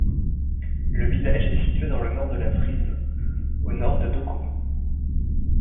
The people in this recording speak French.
Le village est situé dans le nord de la Frise, au nord de Dokkum.